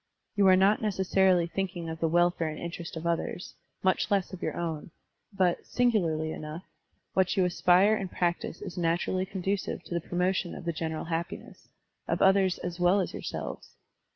You are not neces sarily thinking of the welfare and interest of others, much less of your own; but, singularly enough, what you aspire and practise is naturally conducive to the promotion of the general happi ness, of others as well as of yourselves.